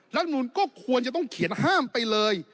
รัฐมนุนก็ควรจะต้องเขียนห้ามไปเลย